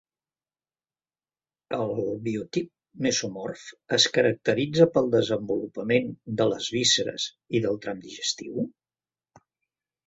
El biotip mesomorf, es caracteritza pel desenvolupament de les vísceres i del tram digestiu?